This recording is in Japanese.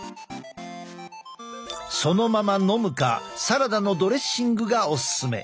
そのまま飲むかサラダのドレッシングがオススメ。